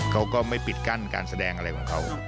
เขาก็ไม่ปิดกั้นการแสดงอะไรของเขา